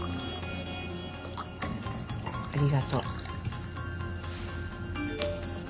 ありがとう。